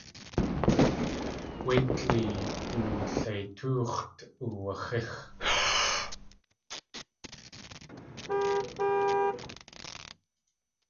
Wé dleey du leitóox̲t uwaxíx.